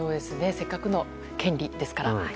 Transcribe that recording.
せっかくの権利ですから。